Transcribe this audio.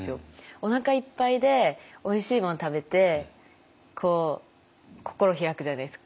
おなかいっぱいでおいしいもの食べて心を開くじゃないですか。